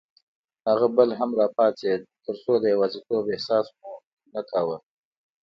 هغه بل به هم راپاڅېد، ترڅو د یوازیتوب احساس مو نه کاوه.